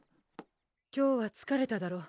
今日はつかれただろう